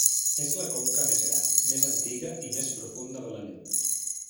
És la conca més gran, més antiga i més profunda de la Lluna.